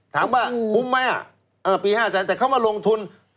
ถามว่าคุ้มไหมปี๕แสนแต่เขามาลงทุน